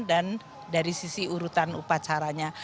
dan dari sisi urutan upacaranya